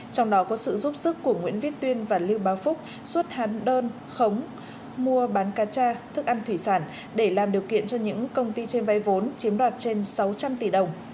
trong đó có sự giúp sức của nguyễn viết tuyên và lưu báo phúc xuất hán đơn khống mua bán cá cha thức ăn thủy sản để làm điều kiện cho những công ty trên vay vốn chiếm đoạt trên sáu trăm linh tỷ đồng